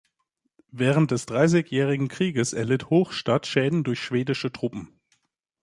Während des Dreißigjährigen Krieges erlitt Hochstadt Schäden durch schwedische Truppen.